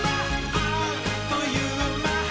あっというまっ！」